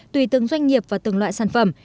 tùy từng doanh nghiệp và từng loại sản phẩm